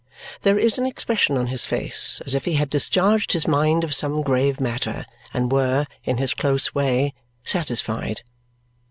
There is an expression on his face as if he had discharged his mind of some grave matter and were, in his close way, satisfied.